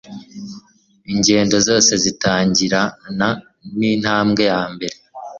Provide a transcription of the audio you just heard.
Ingendo zose zitangirana nintambwe yambere.